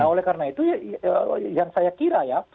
oleh karena itu yang saya kira